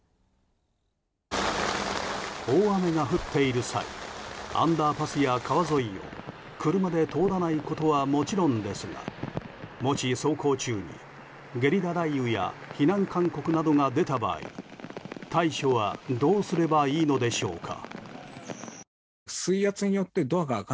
大雨が降っている際アンダーパスや川沿いを車で通らないことはもちろんですがもし走行中にゲリラ雷雨や避難勧告などが出た場合対処はどうすればいいのでしょうか。